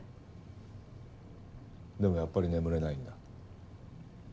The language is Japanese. でもやっぱり眠れないんだ。